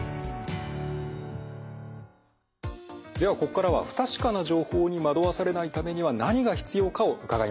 ではここからは不確かな情報に惑わされないためには何が必要かを伺います。